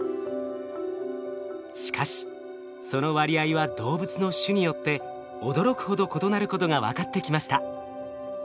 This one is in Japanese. しかしその割合は動物の種によって驚くほど異なることが分かってきました。